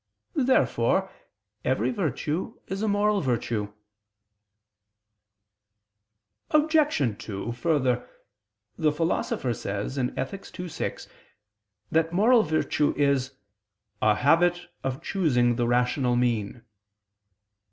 Therefore every virtue is a moral virtue. Obj. 2: Further, the Philosopher says (Ethic. ii, 6) that moral virtue is "a habit of choosing the rational mean."